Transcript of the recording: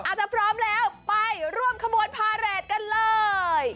พร้อมแล้วไปร่วมขบวนพาเรทกันเลย